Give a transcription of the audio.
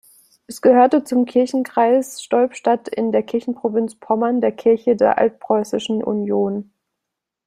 Es gehörte zum Kirchenkreis Stolp-Stadt in der Kirchenprovinz Pommern der Kirche der Altpreußischen Union.